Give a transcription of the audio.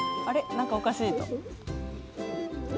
何かおかしいと。